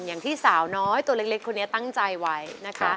อย่างที่สาวน้อยตัวเล็กคนนี้ตั้งใจไว้นะคะ